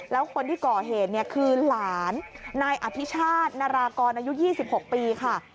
แล้วคนที่ก่อเหตุเนี่ยคือหลานนายอภิชาตินารากรอายุ๒๖ปีค่ะ